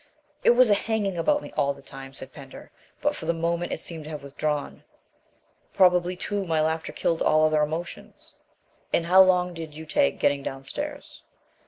"It was hanging about me all the time," said Pender, "but for the moment it seemed to have withdrawn. Probably, too, my laughter killed all other emotions." "And how long did you take getting downstairs?"